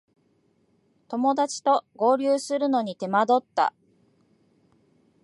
友だちと合流するのに手間取った